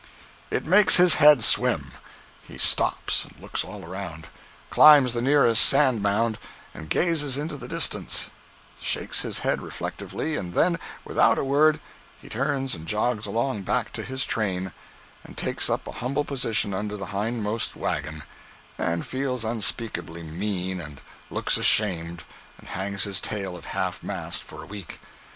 It makes his head swim. He stops, and looks all around; climbs the nearest sand mound, and gazes into the distance; shakes his head reflectively, and then, without a word, he turns and jogs along back to his train, and takes up a humble position under the hindmost wagon, and feels unspeakably mean, and looks ashamed, and hangs his tail at half mast for a week.